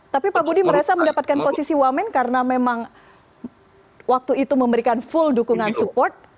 tapi pak budi merasa mendapatkan posisi wamen karena memang waktu itu memberikan full dukungan support